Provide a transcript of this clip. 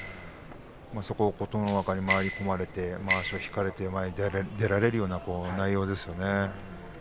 そこを琴ノ若に回り込まれてまわしを引かれて前に出られるような内容ですね。